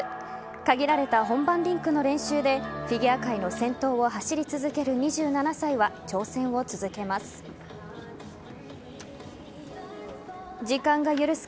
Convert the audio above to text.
限られた本番リンクの練習でフィギュア界の先頭を走り続ける２７歳は挑戦を続けます。